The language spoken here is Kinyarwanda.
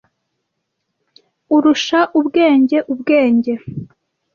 Urusha ubwenge ubwenge.